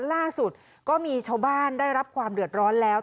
ล่าสุดก็มีชาวบ้านได้รับความเดือดร้อนแล้ว